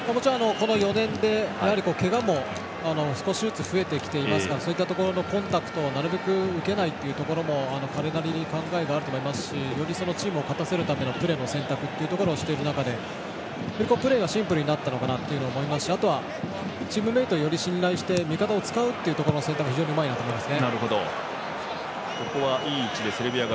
この４年でけがも少しずつ増えてきていますからそういったところのコンタクトをなるべく受けないっていうところも彼なりに考えがあると思いますし、よりチームを勝たせるっていうプレーの選択っていうのをしている中でよりプレーもシンプルになったと思いますしあとはチームメートを信頼して味方を使うという選択がうまいと思います。